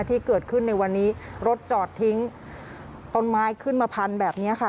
ที่เกิดขึ้นในวันนี้รถจอดทิ้งต้นไม้ขึ้นมาพันแบบนี้ค่ะ